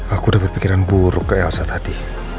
aku udah berpikiran buruk ke elsa tadi